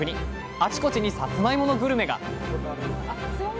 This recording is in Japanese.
あちこちにさつまいものグルメが！